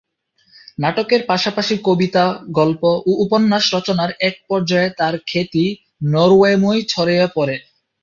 নাটকের পাশাপাশি কবিতা, গল্প ও উপন্যাস রচনার এক পর্যায়ে তাঁর খ্যাতি নরওয়েময় ছড়িয়ে পড়ে।